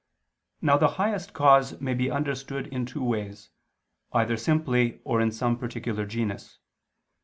Now the highest cause may be understood in two ways, either simply or in some particular genus.